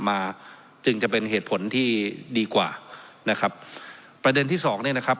มาจึงจะเป็นเหตุผลที่ดีกว่านะครับประเด็นที่สองเนี่ยนะครับ